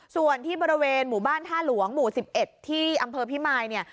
ส่วนที่บริเวณหมู่บ้านท่าหลวงหมู่๑๑ที่อำเภอพิมายเนี่ย